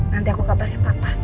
nanti aku kabarin papa